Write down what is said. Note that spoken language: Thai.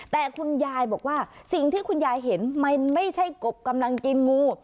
แต่คุณยายบอกว่าสิ่งที่คุณยายเห็นมันไม่ใช่กบกำลังกินงู